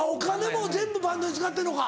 もう全部バンドに使ってるのか。